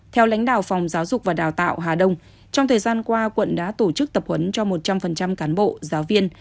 theo lãnh đạo phòng giáo dục và đào tạo hà đông trong thời gian qua quận đã tổ chức tập huấn cho một trăm linh cán bộ giáo viên